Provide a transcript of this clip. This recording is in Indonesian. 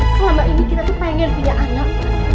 selama ini kita tuh pengen punya anak